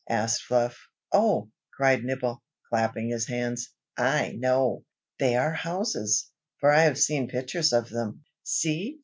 asked Fluff. "Oh!" cried Nibble, clapping his hands. "I know! they are houses, for I have seen pictures of them. See!